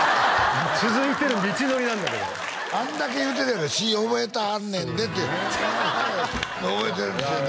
「続いてる道のり」なんだけどあんだけ言うて詞覚えてはるねんでって覚えてるんですよね